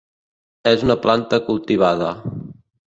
És una planta cultivada.